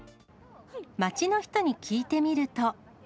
街の人に聞いてみると。